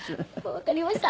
わかりました。